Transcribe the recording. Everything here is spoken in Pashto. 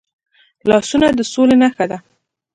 لاسونه د سولې نښه ده